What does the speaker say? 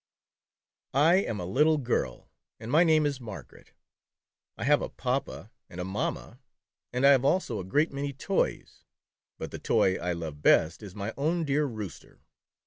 I AM a little girl and my name is Margaret. I have a papa and a mamma, and I have also a great many toys, but the toy I love best is my own dear Rooster.